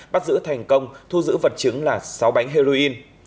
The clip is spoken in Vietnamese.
bắt giữ thành công thu giữ vật chứng là sáu bánh heroin